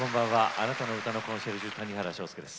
あなたの歌のコンシェルジュ谷原章介です。